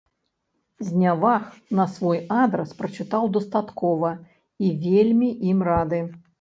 Зняваг на свой адрас прачытаў дастаткова і вельмі ім рады.